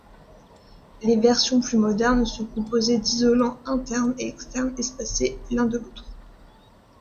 Les versions plus modernes sont composées d'isolants interne et externe espacés l'un de l'autre.